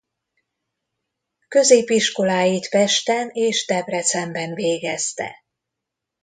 Középiskoláit Pesten és Debrecenben végezte.